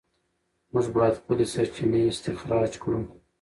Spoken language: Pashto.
موږ باید خپلې سرچینې استخراج کړو.